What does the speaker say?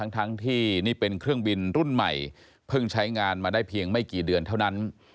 ทั้งที่นี่เป็นเครื่องบินรุ่นใหม่เพิ่งใช้งานมาได้เพียงไม่กี่เดือนเท่านั้น